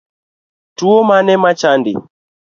Tuo mane machandi